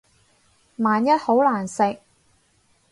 萬一好難食